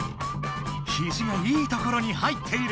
ひじがいいところに入っている！